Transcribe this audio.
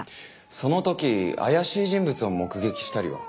その時怪しい人物を目撃したりは？